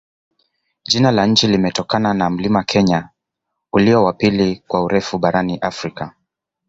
Jina la nchi limetokana na mlima Kenya, ulio wa pili kwa urefu barani Afrika.